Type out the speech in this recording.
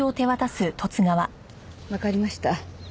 わかりました。